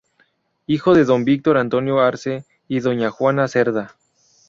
Hijo de don Víctor Antonio Arce y doña Juana Cerda.